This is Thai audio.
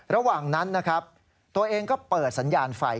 ระหว่างนั้นนะครับตัวเองก็เปิดสัญญาณไฟ